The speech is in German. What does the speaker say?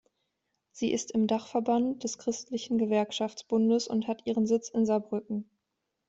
Sie ist im Dachverband des Christlichen Gewerkschaftsbundes und hat ihren Sitz in Saarbrücken.